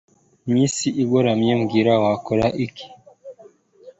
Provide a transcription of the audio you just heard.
mw'isi igoramye, mbwira, wakora iki